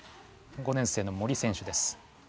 ５年生の森選手です。